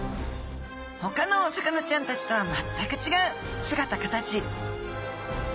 ほかのお魚ちゃんたちとは全く違う姿形